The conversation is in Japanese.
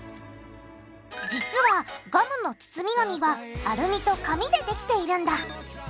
実はガムの包み紙はアルミと紙でできているんだ。